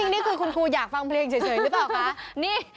นี่คุณครูอยากฟังเพลงเฉยหรือเปล่าแล้วก็